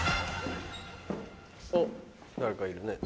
おっ誰かいるね。